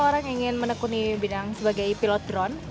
orang ingin menekuni bidang sebagai pilot drone